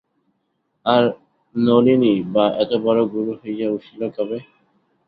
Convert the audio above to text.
আর নলিনই বা এতবড়ো গুরু হইয়া উঠিল কবে?